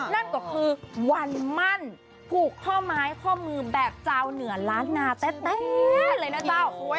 นั่นก็คือวันมั่นผูกข้อไม้ข้อมือแบบเจ้าเหนือล้านนาแต๊ะเลยนะเจ้า